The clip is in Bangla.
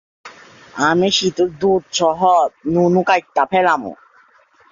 এই উদ্যোগ চালু করার আগে বিভিন্ন খাতে বিদেশী বিনিয়োগের পথ শিথিল করা হয়েছে।